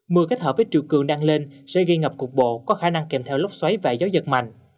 mưa kết hợp với triều cường đăng lên sẽ gây ngập cục bộ có khả năng kèm theo lốc xoáy và gió giật mạnh